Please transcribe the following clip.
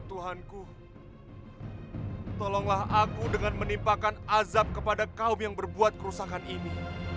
tuhanku tolonglah aku dengan menimpakan azab kepada kaum yang berbuat kerusakan ini